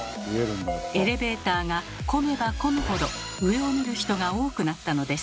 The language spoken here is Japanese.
エレベーターが混めば混むほど上を見る人が多くなったのです。